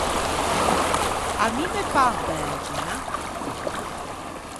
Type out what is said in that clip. À mi me pan pæge, na?